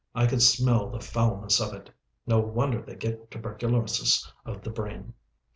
I could smell the foulness of it. No wonder they get tuberculosis of the brain.